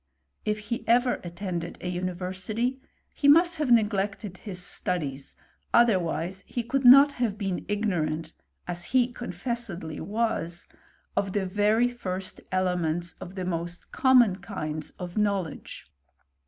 If he ever attended a university, he must have neglected his studies, other? wise he could not have been ignorant, as he confess edly was, of the very first elements of the most common kinds of knowledge.